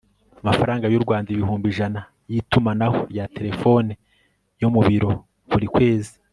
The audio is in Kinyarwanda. amafaranga y'u rwanda ibihumbi ijana y'itumanaho rya telefone yo mu biro, buri kwezi